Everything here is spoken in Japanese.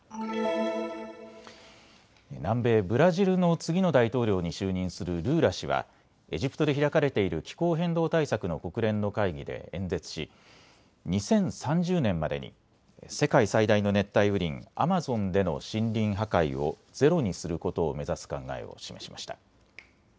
南米・ブラジルの次の大統領に就任するルーラ氏はエジプトで開かれている気候変動対策の国連の会議で演説し、２０３０年までに世界最大の熱帯雨林、アマゾンでの森林破壊をゼロにすることを目指す考えを示しました。